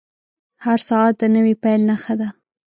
• هر ساعت د نوې پیل نښه ده.